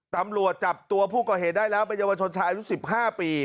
ตำรวจจับตัวผู้ก่อเหตุได้แล้วเป็นเยาวชนชายอายุ๑๕ปี